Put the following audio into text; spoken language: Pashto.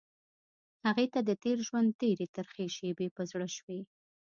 هغې ته د تېر ژوند تېرې ترخې شېبې په زړه شوې.